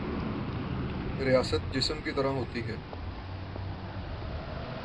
ریاست جسم کی طرح ہوتی ہے۔